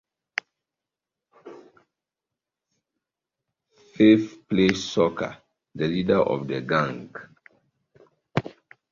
Firth played Scooper, the leader of the gang.